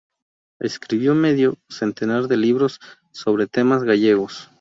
Escribió medio centenar de libros sobre temas gallegos.